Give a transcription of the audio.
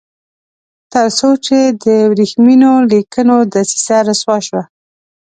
تر څو چې د ورېښمینو لیکونو دسیسه رسوا شوه.